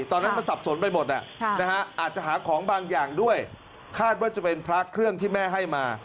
ตอนนั้นมันสับสนไปหมดอาจจะหาของบางอย่างด้วยคาดว่าจะเป็นพระเครื่องที่แม่ให้มา